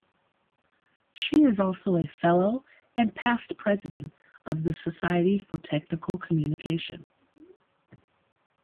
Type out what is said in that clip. She is also a fellow and past president of the Society for Technical Communication.